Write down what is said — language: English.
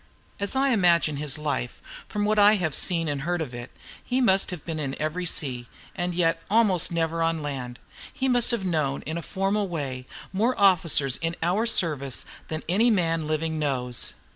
As I imagine his life, from what I have seen and heard of it, he must have been in every sea, and yet almost never on land. He must have known, in a formal way, more officers in our service than any man living knows.